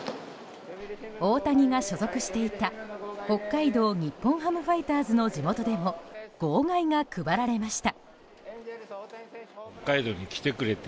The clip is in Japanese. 大谷が所属していた北海道日本ハムファイターズの地元でも号外が配られました。